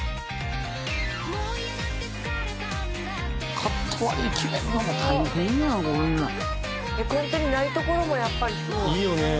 「カット割り決めるのも大変やんこんなん」「絵コンテにないところもやっぱりすごい」「いいよね！」